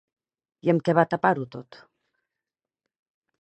I amb què va tapar-ho tot?